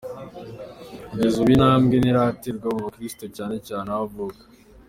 Kugeza ubu iyi ntambwe ntiraterwa mu bakirisitu cyane cyane aho avuka.